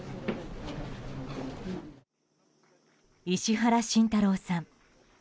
石原慎太郎さん。